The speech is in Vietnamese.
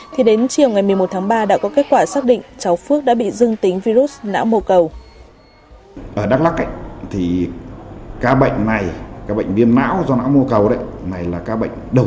thì đến chiều ngày một mươi một tháng ba đã có kết quả xác định cháu phước đã bị dưng tính virus não mồ cầu